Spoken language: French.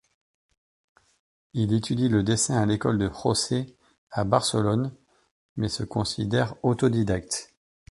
Il étudie le dessin à l'école de Jose à Barcelone, mais se considère autodidacte.